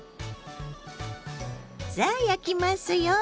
さあ焼きますよ。